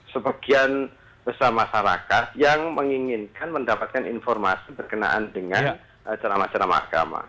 sebagian besar masyarakat yang menginginkan mendapatkan informasi berkenaan dengan ceramah ceramah agama